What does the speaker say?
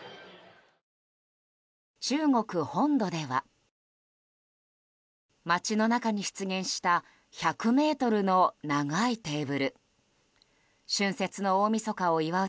中国本土では街の中に出現した１００ｍの長井れーぶる。